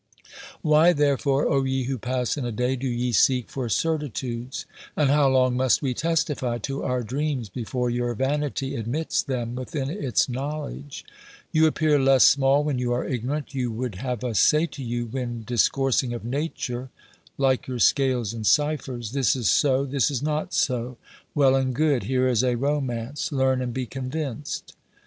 Why, therefore, O ye who pass in a day, do ye seek for certitudes, and how long must we testify to our dreams before your vanity admits them within its knowledge ? You appear less small when you are ignorant. You would have us say to you when discoursing of Nature, like your scales and ciphers : This is so ; this is not so. ... Well and good : here is a romance ; learn, and be convinced.